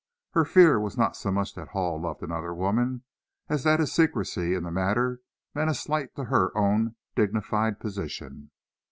Her fear was not so much that Hall loved another woman, as that his secrecy in the matter meant a slight to her own dignified position.